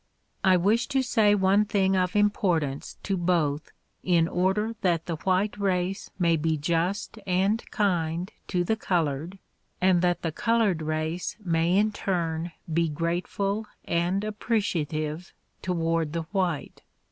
I wish to say one thing of importance to both in order that the white race may be just and kind to the colored and that the colored race may in turn be grateful and appreciative toward the white.